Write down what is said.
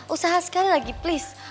usaha sekali lagi please